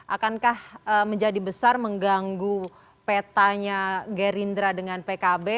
akankah menjadi besar mengganggu petanya gerindra dengan pkb